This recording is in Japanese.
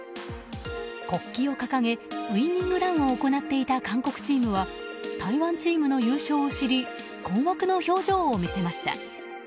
国旗を掲げウイニングランを行っていた韓国チームは台湾チームの優勝を知り困惑の表情を見せました。